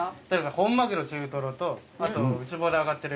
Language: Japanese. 本マグロ中トロとあと内房で揚がってる。